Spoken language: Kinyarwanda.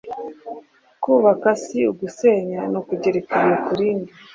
kubaka si ugusenya ni ukugereka ibuye ku rindi